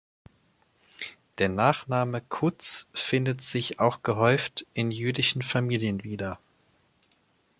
Der Nachname "Kutz" findet sich auch gehäuft in jüdischen Familien wieder.